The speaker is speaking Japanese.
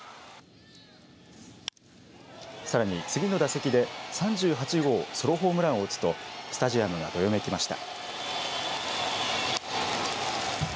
さらに次の打席で３８号ソロホームランを打つとスタジアムがどよめきました。